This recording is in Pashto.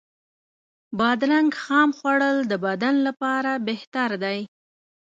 بادرنګ خام خوړل د بدن لپاره بهتر دی.